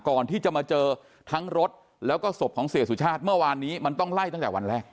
ก่อนที่จะมาเจอทั้งรถแล้วก็ศพของเสียสุชาติเมื่อวานนี้มันต้องไล่ตั้งแต่วันแรก